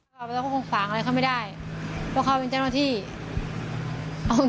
หรือได้ตัวล่างอย่างให้ความโล่ง